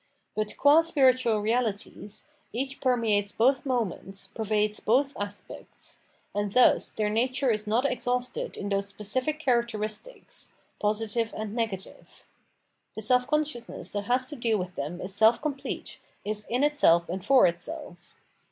But qua 503 Culture and its 8 f here of Reality spiritual realities, each permeates both moments, per vades both aspects ; and thus their nature is not ex hausted in those specific characteristics [positive apd negative]. The self consciousness that has to do with them is self complete, is in itseh and for itself.